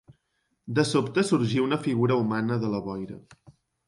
De sobte sorgí una figura humana de la boira.